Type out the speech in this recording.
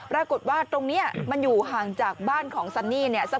ปรากฏว่าตรงนี้มันอยู่ห่างจากบ้านของซันนี่เนี่ย